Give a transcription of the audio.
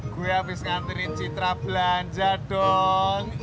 gue habis nganterin citra belanja dong